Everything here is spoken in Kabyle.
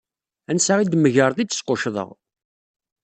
Ansa i d-tmegreḍ i d-squccḍeɣ.